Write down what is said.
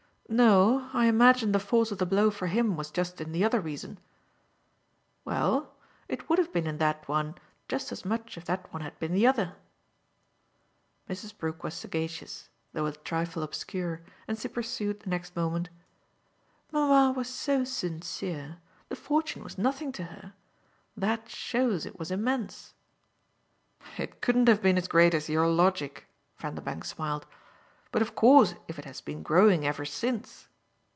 "No I imagine the force of the blow for him was just in the other reason." "Well, it would have been in that one just as much if that one had been the other." Mrs. Brook was sagacious, though a trifle obscure, and she pursued the next moment: "Mamma was so sincere. The fortune was nothing to her. That shows it was immense." "It couldn't have been as great as your logic," Vanderbank smiled; "but of course if it has been growing ever since